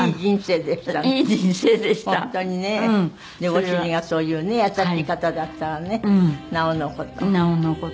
ご主人がそういうね優しい方だったらねなおの事。